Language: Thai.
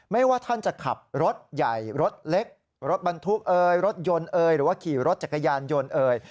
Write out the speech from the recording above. ไม่ว่าท่านจะขับรถใหญ่รถเล็กรถบรรทุกเอ่ยรถยนต์เอ่ยหรือว่าขี่รถจักรยานยนต์เอ่ย